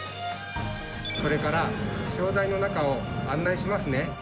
これから気象台の中を案内しますね。